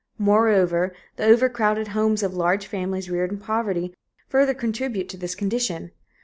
Moreover, the overcrowded homes of large families reared in poverty further contribute to this condition.